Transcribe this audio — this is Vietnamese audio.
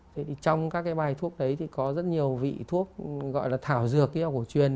thế thì trong các cái bài thuốc đấy thì có rất nhiều vị thuốc gọi là thảo dược hiệu của truyền